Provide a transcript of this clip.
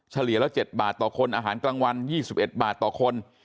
เฉลี่ยแล้ว๗บาทต่อคนอาหารกลางวัน๒๑บาทต่อคน